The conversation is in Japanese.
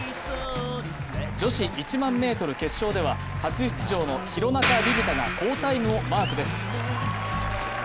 女子１００００ｍ決勝では、初出場の廣中璃梨佳が好タイムをマークです。